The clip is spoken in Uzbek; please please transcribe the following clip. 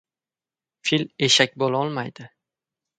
• Fil eshak bo‘lolmaydi.